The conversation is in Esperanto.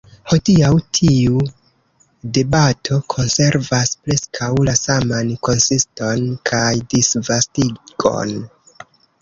Hodiaŭ tiu debato konservas preskaŭ la saman konsiston kaj disvastigon.